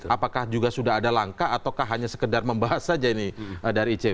apakah juga sudah ada langkah ataukah hanya sekedar membahas saja ini dari icw